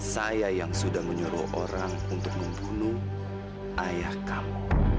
saya yang sudah menyuruh orang untuk membunuh ayah kamu